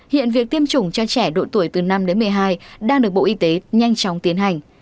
hiện việc tiêm chủng cho trẻ độ tuổi từ năm đến một mươi hai đang được bộ y tế nhanh chóng tiến hành